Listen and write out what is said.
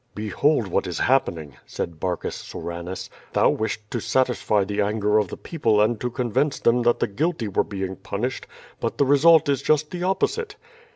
"Behold what is happening!'^ said Barcus Soranus; "thou wished to satisfy the anger of the people and to convince them that the guilty were being punished, but the result is just the opposite."